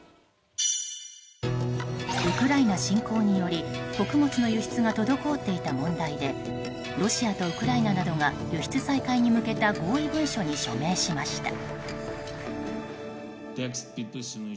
ウクライナ侵攻により穀物の輸出が滞っていた問題でロシアとウクライナなどが輸出再開に向けた合意文書に署名しました。